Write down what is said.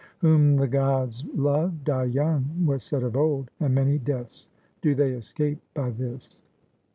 " Whom the gods love die young, was said of old ; And many deaths do they escape by this."'